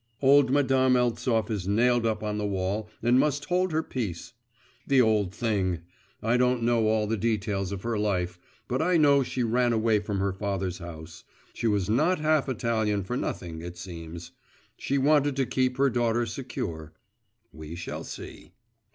Old Madame Eltsov is nailed up on the wall, and must hold her peace. The old thing!… I don't know all the details of her life; but I know she ran away from her father's house; she was not half Italian for nothing, it seems. She wanted to keep her daughter secure … we shall see.